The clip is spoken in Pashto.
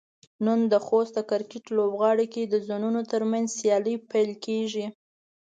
نن د خوست د کرکټ لوبغالي کې د زونونو ترمنځ سيالۍ پيل کيږي.